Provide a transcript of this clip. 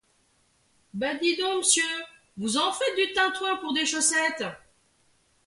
Ben dis donc, m’sieur, vous en faites du tintouin pour des chaussettes !